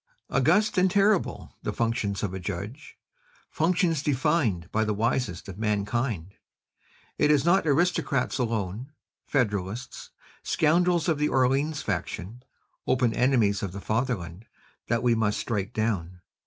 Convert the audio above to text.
"August and terrible the functions of a judge, functions defined by the wisest of mankind! It is not aristocrats alone, federalists, scoundrels of the Orleans faction, open enemies of the fatherland, that we must strike down.